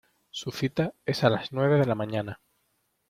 Su cita es a las nueve de la mañana.